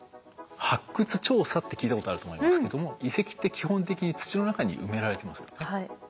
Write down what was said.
発掘調査って聞いたことあると思いますけども遺跡って基本的に土の中に埋められてますよね。